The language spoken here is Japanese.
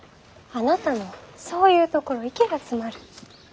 あなたのそういうところ息が詰まる。